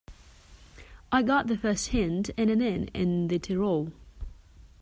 I got the first hint in an inn in the Tyrol.